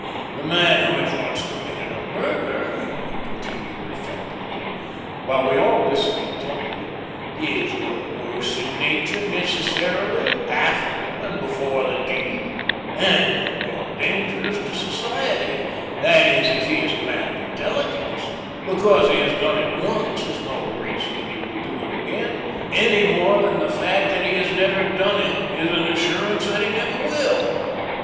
The man who has once committed a murder," he continued, reflectively, while we all listened intently, "is no worse in nature, necessarily, after than before the deed, and no more dangerous to society, that is if he is a man of intelligence; because he has done it once is no reason that he will do it again, any more than the fact that he has never done it is an assurance that he never will.